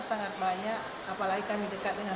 sangat banyak apalagi kami dekat dengan